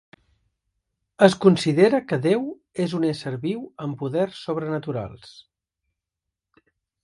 Es considera que Déu és un ésser viu amb poders sobrenaturals.